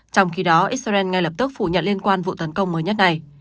trong khi đó israel ngay lập tức phủ nhận liên quan vụ tấn công mới nhất này